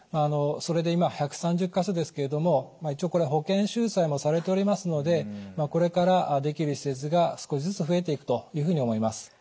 それで今１３０か所ですけれども一応これ保険収載もされておりますのでこれからできる施設が少しずつ増えていくというふうに思います。